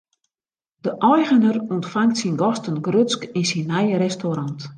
De eigener ûntfangt syn gasten grutsk yn syn nije restaurant.